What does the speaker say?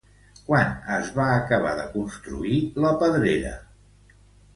Quan es va acabar de construir la Pedrera?